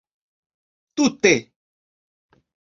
tute